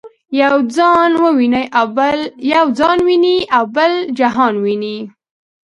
یو ځان ویني او بل جهان ویني.